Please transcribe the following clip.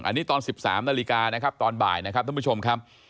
อันนี้ตอน๑๓นาฬิกานะครับตอนบ่ายนะครับท่านผู้ชมครับ